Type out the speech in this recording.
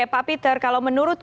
pak peter kalau menurut